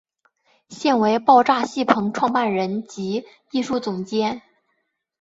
现为爆炸戏棚创办人及艺术总监。